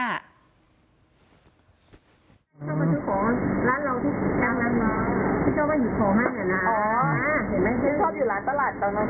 เป็นคนสติดีมั้ย